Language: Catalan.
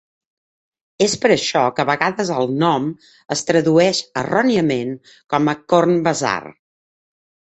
És per això que a vegades el nom es tradueix erròniament com "Corn Bazaar".